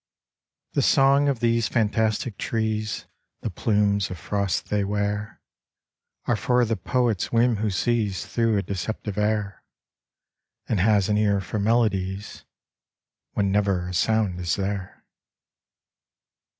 The song of these fantastic trees, The plumes of frost they wear, Are for the poet's whim who sees Through a deceptive air, And has an ear for melodies When never a sound is there.